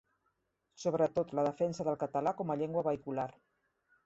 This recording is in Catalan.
Sobretot la defensa del català com a llengua vehicular.